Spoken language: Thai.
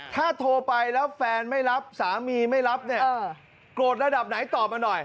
ถ้าโทรไปแล้วแฟนไม่รับสามีไม่รับเนี่ย